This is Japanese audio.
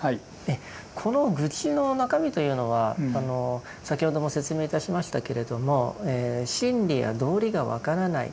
この愚痴の中身というのは先ほども説明いたしましたけれども真理や道理が分からない